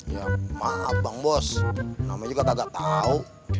ya maaf bang bos namanya juga tak tau